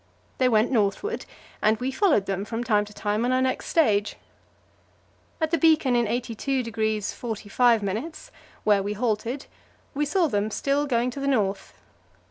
They went northward, and we followed them from time to time on our next stage. At the beacon in 82° 45', where we halted, we saw them still going to the north.